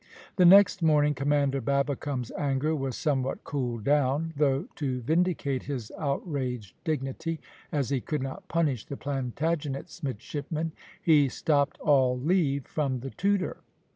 The next morning Commander Babbicome's anger was somewhat cooled down, though to vindicate his outraged dignity, as he could not punish the Plantagenet's midshipmen, he stopped all leave from the Tudor.